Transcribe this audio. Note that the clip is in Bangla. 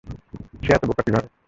সে এত বোকা কীভাবে?